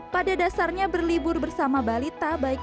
pada dasarnya berlibur bersama balita baik melakukan